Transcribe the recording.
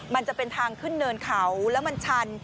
มันจะเป็นทางขึ้นเนินเขาแล้วมันชัน